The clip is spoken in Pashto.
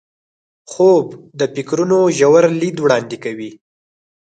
خوب د فکرونو ژور لید وړاندې کوي